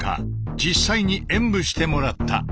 実際に演武してもらった。